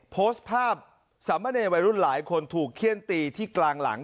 โพสต์ภาพสามเณรวัยรุ่นหลายคนถูกเขี้ยนตีที่กลางหลัง